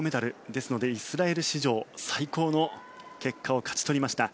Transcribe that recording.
ですのでイスラエル史上最高の結果を勝ち取りました。